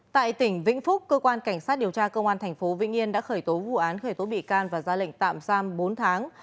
tại tỉnh vĩnh phúc cơ quan cảnh sát điều tra công an tp vĩnh yên đã khởi tố vụ án khởi tố bị can và ra lệnh tạm giam bốn tháng